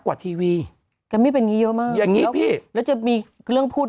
ทีวีกันไม่เป็นอย่างงี้เยอะมากอย่างงี้พี่แล้วจะมีเรื่องพูด